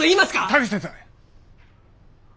田口先生。